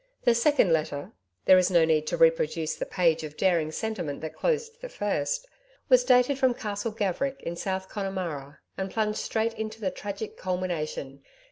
The second letter (there is no need to reproduce the page of daring sentiment that closed the first) was dated from Castle Gaverick in South Connemara, and plunged straight into the tragic culmination.